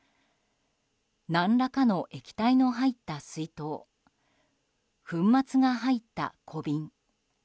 何らかの液体の入った水筒粉末が入った小瓶